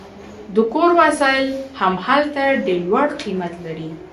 د کور وسایل هم هلته ډیر لوړ قیمت لري